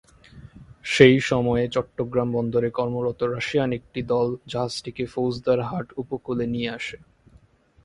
সেই সময়ে চট্টগ্রাম বন্দরে কর্মরত রাশিয়ান একটি দল জাহাজটিকে ফৌজদার হাট উপকূলে নিয়ে আসে।